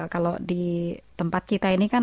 kalau di tempat kita ini kan